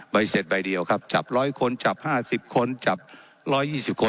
ใบเสร็จใบเดียวครับจับร้อยคนจับห้าสิบคนจับร้อยยี่สิบคน